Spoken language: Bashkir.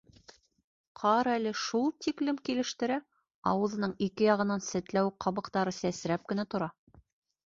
Ҡара әле, шул тиклем килештерә, ауыҙының ике яғынан сәтләүек ҡабыҡтары сәсрәп кенә тора.